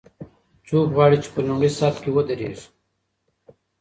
څوک غواړي چې په لومړي صف کې ودریږي؟